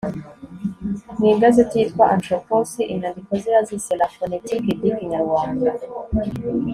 mu igazeti yitwa anthropos. inyandiko ze yazise la phonétique du kinyarwaanda